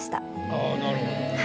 ああなるほど。